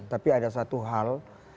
tapi ada satu hal